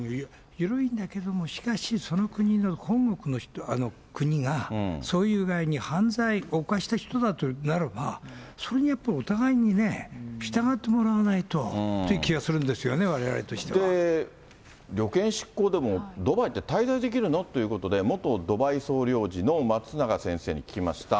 緩いんだけど、しかし、その国の本国の人が、そういう具合に犯罪を犯した人だとなれば、それにやっぱりお互いにね、従ってもらわないとという気はするんですよね、で、旅券失効でも、ドバイって滞在できるのっていうことで、元ドバイ総領事の松永先生に聞きました。